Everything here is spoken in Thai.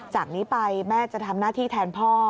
จากนี้ไปแม่จะทำหน้าที่แทนพ่อ